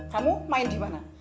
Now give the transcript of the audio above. kamu main dimana